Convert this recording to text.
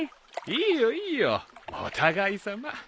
いいよいいよお互いさま。